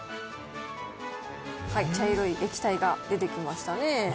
はい茶色い液体が出てきましたね。